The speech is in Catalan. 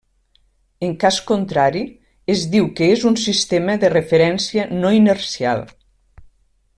En cas contrari, es diu que és un sistema de referència no inercial.